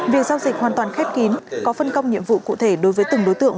việc giao dịch hoàn toàn khép kín có phân công nhiệm vụ cụ thể đối với từng đối tượng